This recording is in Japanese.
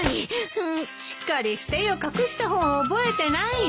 しっかりしてよ隠した本を覚えてないの？